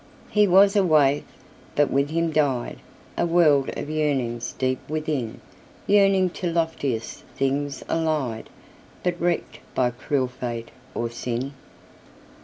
He was a waif, but with him diedA world of yearnings deep within—Yearning to loftiest things allied, But wrecked by cruel fate, or sin.